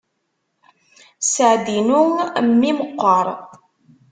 Sseɛd-inu mmi meqqer.